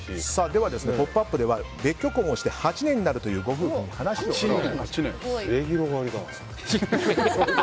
では、「ポップＵＰ！」では別居婚をして８年になるという末広がりだな。